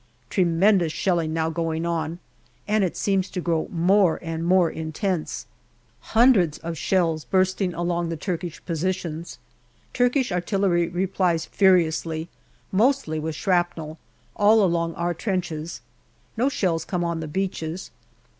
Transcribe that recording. Tremendous shelling now going on, and it seems to grow more and more intense hundreds 120 GALLIPOLI DIARY of shells bursting along the Turkish positions. Turkish artillery replies furiously, mostly with shrapnel, all along our trenches. No shells come on the beaches.